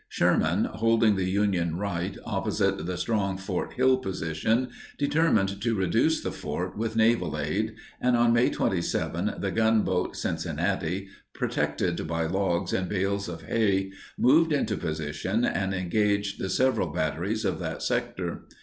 Sherman, holding the Union right opposite the strong Fort Hill position, determined to reduce the fort with naval aid, and on May 27 the gunboat Cincinnati, protected by logs and bales of hay, moved into position and engaged the several batteries of that sector.